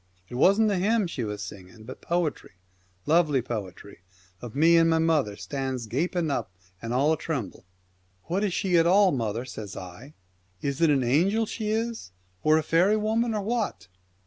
It wasn't a hymn Celtic ,.,, Twilight, she was singing, but poetry, lovely poetry, and me and my mother stands gaping up, and all of a tremble. " What is she at all, mother ?" says I. " Is it an angel she is, or a faery woman, or what